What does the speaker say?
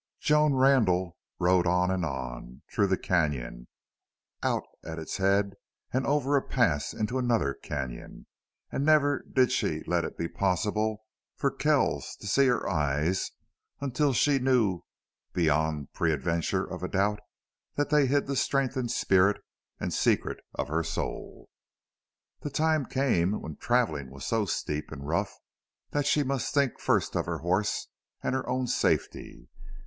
4 Joan Randle rode on and on, through the canon, out at its head and over a pass into another canon, and never did she let it be possible for Kells to see her eyes until she knew beyond peradventure of a doubt that they hid the strength and spirit and secret of her soul. The time came when traveling was so steep and rough that she must think first of her horse and her own safety.